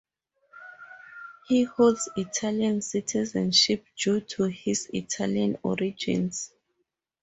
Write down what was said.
He holds Italian citizenship due to his Italian origins.